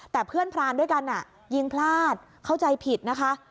แต่เพื่อนพรานด้วยกันยิงพลาดเข้าใจผิดนะคะ